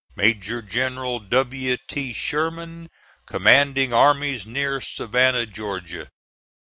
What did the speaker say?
MAJOR GENERAL W. T. SHERMAN, Commanding Armies near Savannah, Ga.